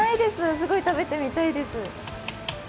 すごく食べてみたいです。